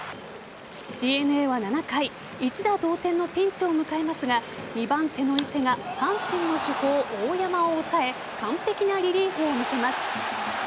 ＤｅＮＡは７回一打同点のピンチを迎えますが２番手の伊勢が阪神の主砲・大山を抑え完璧なリリーフを見せます。